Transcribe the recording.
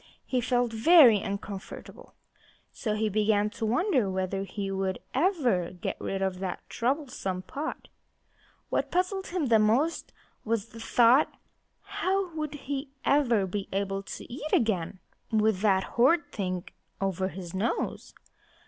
He felt very uncomfortable, for he began to wonder whether he would ever get rid of that troublesome pot. What puzzled him most was this thought: How would he ever be able to eat again, with that horrid thing over his nose?